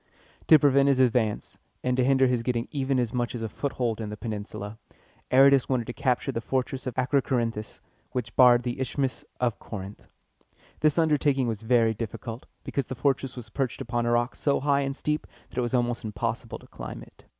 To prevent his advance, and to hinder his getting even as much as a foothold in the peninsula, Aratus wanted to capture the fortress of Ac ro co rin´thus, which barred the Isthmus of Corinth. This undertaking was very difficult, because the fortress was perched upon a rock so high and steep that it was almost impossible to climb it.